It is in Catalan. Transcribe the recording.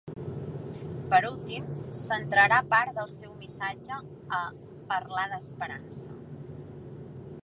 Per últim, centrarà part del seu missatge a ‘parlar d’esperança’.